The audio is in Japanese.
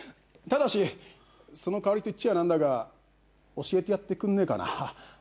ただしその代わりと言っちゃ何だが教えてやってくんねえかな？